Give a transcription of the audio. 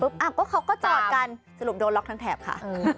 ก็เขาก็จอดกันสรุปโดนล็อกทั้งแถบค่ะ